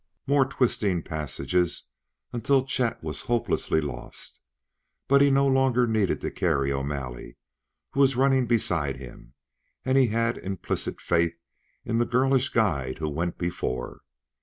More twisting passages until Chet was hopelessly lost. But he no longer needed to carry O'Malley, who was running beside him, and he had implicit faith in the girlish guide who went before.